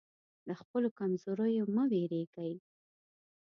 له خپلو کمزوریو مه وېرېږئ.